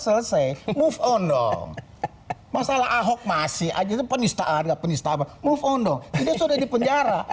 selesai move on dong masalah ahok masih aja penista ada penista move on dong sudah dipenjara